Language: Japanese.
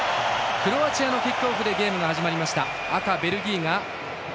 クロアチアのキックオフでゲームが始まりました。